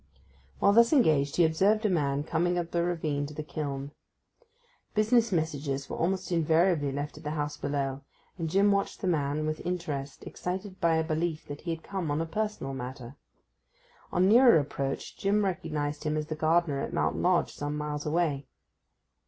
While thus engaged he observed a man coming up the ravine to the kiln. Business messages were almost invariably left at the house below, and Jim watched the man with the interest excited by a belief that he had come on a personal matter. On nearer approach Jim recognized him as the gardener at Mount Lodge some miles away.